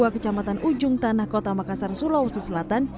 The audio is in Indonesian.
kecamatan ujung tanah kota makassar sulawesi selatan